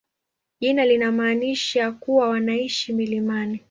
Jina linamaanisha kuwa wanaishi milimani.